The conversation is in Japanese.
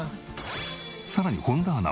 さらに本田アナは。